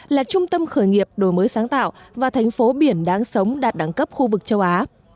là trung tâm khởi nghiệp đổi mới sáng tạo và thành phố biển đáng sống đạt đẳng cấp khu vực châu á